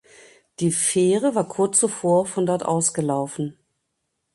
Die Fähre war kurz zuvor von dort ausgelaufen.